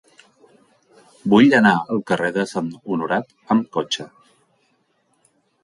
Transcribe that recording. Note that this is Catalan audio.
Vull anar al carrer de Sant Honorat amb cotxe.